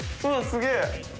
すげえ。